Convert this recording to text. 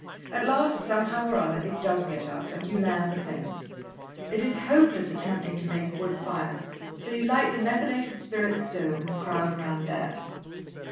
At last, somehow or other, it does get up, and you land the things. It is hopeless attempting to make a wood fire, so you light the methylated spirit stove, and crowd round that.